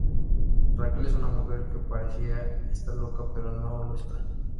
Raquel es una mujer que parecería estar loca pero no lo está.